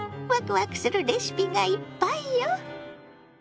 わくわくするレシピがいっぱいよ。